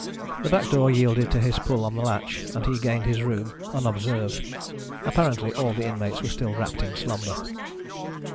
The back door yielded to his pull on the latch, and he gained his room unobserved; apparently all the inmates were still wrapped in slumber.